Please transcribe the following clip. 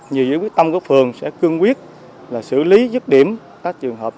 như dưới quyết tâm của phường sẽ cương quyết là xử lý dứt điểm các trường hợp